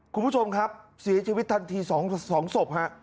คุณผู้ชมครับเสียชีวิตทันที๒ศพฮะ